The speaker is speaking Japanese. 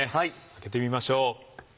開けてみましょう。